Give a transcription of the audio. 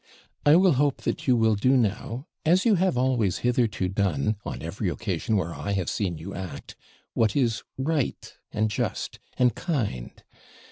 I will hope that you will do now, as you have always hitherto done, on every occasion where I have seen you act, what is right, and just, and kind.